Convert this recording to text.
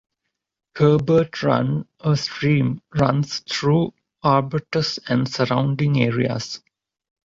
Herbert Run, a stream, runs through Arbutus and surrounding areas.